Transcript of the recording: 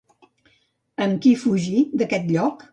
Amb qui fugí d'aquell lloc?